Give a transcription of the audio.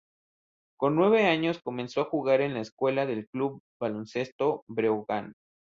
Con nueve años comenzó a jugar en la escuela del Club Baloncesto Breogán.